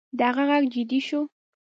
د هغه غږ جدي شو